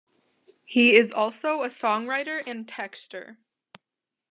He is also a songwriter and texter.